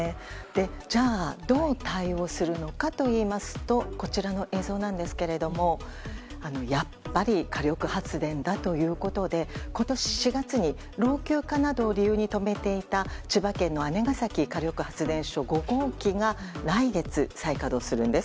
どう対応するのかといいますとこちらの映像なんですけどもやっぱり火力発電だということで今年４月に老朽化などを理由に止めていた千葉県の姉崎火力発電所５号機が来月再稼働するんです。